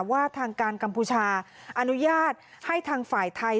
ว่าทางการกัมพูชาอนุญาตให้ทางฝ่ายไทย